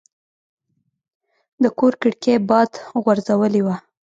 د کور کړکۍ باد غورځولې وه.